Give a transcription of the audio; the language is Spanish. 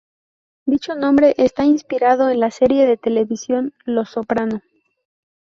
Dicho nombre está inspirado en la serie de televisión "Los Soprano".